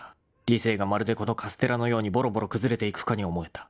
理性がまるでこのカステラのようにボロボロ崩れていくかに思えた］